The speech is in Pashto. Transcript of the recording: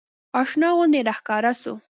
اشنا غوندې راښکاره سو.